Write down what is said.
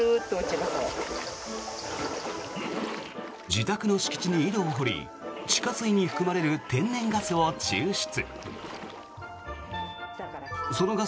自宅の敷地に井戸を掘り地下水に含まれる天然ガスを抽出。